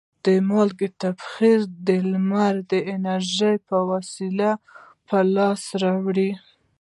د مالګې تبخیر د لمر د انرژي په واسطه په لاس راوړي.